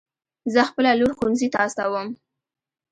زه خپله لور ښوونځي ته استوم